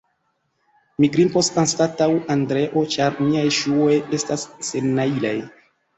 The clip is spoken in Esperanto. mi grimpos anstataŭ Andreo, ĉar miaj ŝuoj estas sennajlaj.